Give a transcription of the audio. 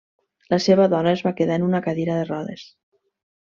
La seva dona es va quedar en una cadira de rodes.